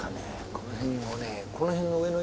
この辺のね。